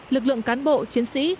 lực lượng cán bộ chiến sĩ